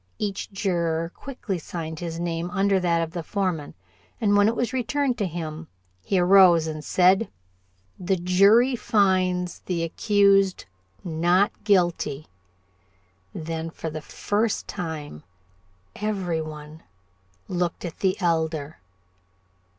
Each juror quickly signed his name under that of the foreman, and when it was returned to him, he arose and said: "The jury finds the accused not guilty." Then for the first time every one looked at the Elder.